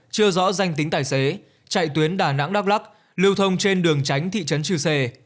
chưa rõ danh tính tài xế chạy tuyến đà nẵng đắk lắc lưu thông trên đường tránh thị trấn chư sê